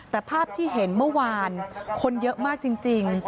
แต่ภาพที่เห็นเมื่อวานคนเยอะมากจริง